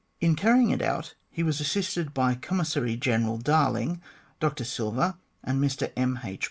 In carrying it out he was assisted by Commissary General Darling, Dr Silver, and Mr M. H.